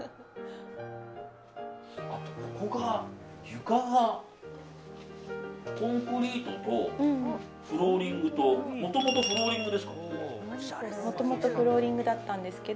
床がコンクリートとフローリングともともとフローリングですか。